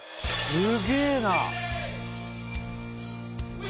すげえな！